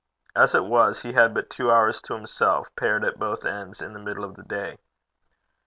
As it was, he had but two hours to himself, pared at both ends, in the middle of the day.